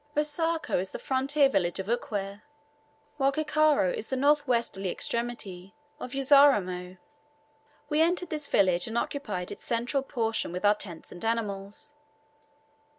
Rosako is the frontier village of Ukwere, while Kikoka is the north western extremity of Uzaramo. We entered this village, and occupied its central portion with our tents and animals.